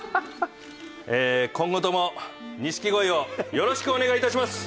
今後とも錦鯉をよろしくお願いいたします。